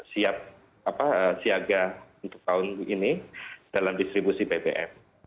siap siaga untuk tahun ini dalam distribusi bbm